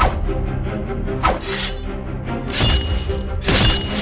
ambil saja kalau kalian berani